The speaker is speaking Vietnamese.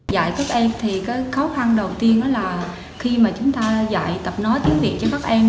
dạy các em thì cái khó khăn đầu tiên đó là khi mà chúng ta dạy tập nói tiếng việt cho các em